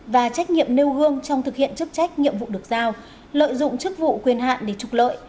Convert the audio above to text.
và trách nhiệm nêu gương trong thực hiện chức trách nhiệm vụ được giao lợi dụng chức vụ quyền hạn để trục lợi